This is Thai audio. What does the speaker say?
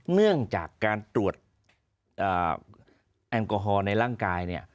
เนื่องจากการตรวจแอลกอฮอล์ในร่างกายเนี่ย